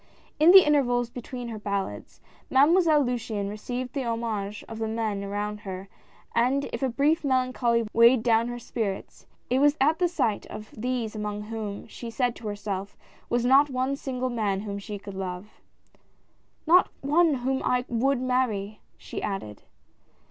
In the intervals between her ballads. Mademoiselle Luciane received the homage of the men around her, and if a brief melancholy weighed down her spirits, it was at the sight of these among whom, she said to herself, was not one single man whom she could love. L U C I A N E . Ill " Not one whom I would marry !" she added.